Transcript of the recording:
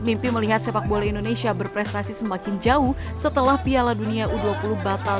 mimpi melihat sepak bola indonesia berprestasi semakin jauh setelah piala dunia u dua puluh batal